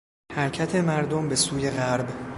حرکت مردم به سوی غرب